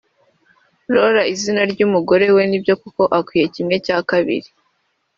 Laura (izina ry’umugore we) nibyo koko ukwiye kimwe cya kabiri